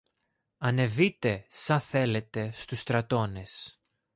Ανεβείτε, σα θέλετε, στους στρατώνες